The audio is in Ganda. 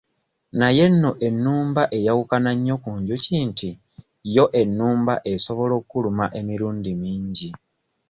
Naye nno ennumba eyawukana nnyo ku njuki nti yo ennumba esobola okuluma emirundi mingi.